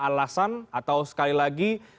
alasan atau sekali lagi